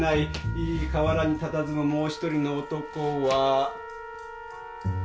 河原にたたずむもう１人の男は。